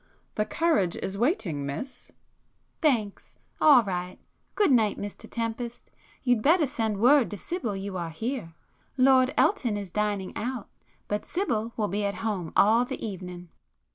"The carriage is waiting, Miss." "Thanks,—all right. Good night Mr Tempest,—you'd better send word to Sibyl you are here; Lord Elton is dining out, but Sibyl will be at home all the evening."